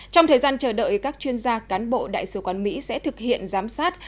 trong thời gian chờ đợi các chuyên gia cán bộ đại sứ quán mỹ sẽ thực hiện giám sát